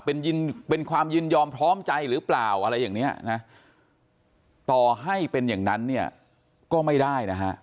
เป็นความยินยอมพร้อมใจหรือเปล่าอะไรอย่างนี้นะต่อให้เป็นอย่างนั้นเนี่ยก็ไม่ได้นะฮะ